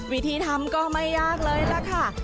วิธีทำก็ไม่ยากเลยล่ะค่ะ